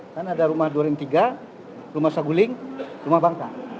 kan ada rumah duren tiga rumah saguling rumah bangka